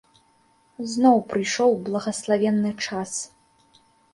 Зноў прыйшоў благаславенны час.